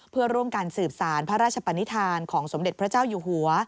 เพื่อร่วมกันสืบสารพระราชปนิษฐานของสมเด็จพระเจ้าอยู่หัว